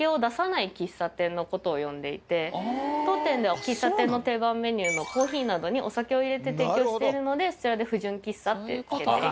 当店では喫茶店の定番メニューのコーヒーなどにお酒を入れて提供しているのでそちらで不純喫茶って付けて。